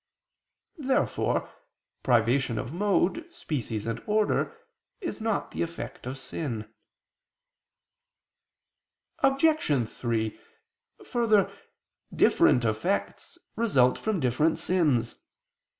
Therefore privation of mode, species and order is not the effect of sin. Obj. 3: Further, different effects result from different sins.